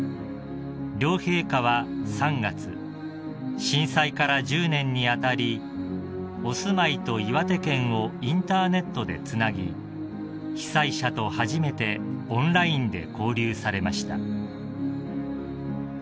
［両陛下は３月震災から１０年に当たりお住まいと岩手県をインターネットでつなぎ被災者と初めてオンラインで交流されました］